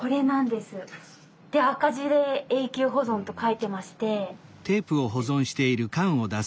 で赤字で「永久保存」と書いてまして。